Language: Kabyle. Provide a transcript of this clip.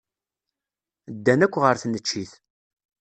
Ddan akk ɣer tneččit.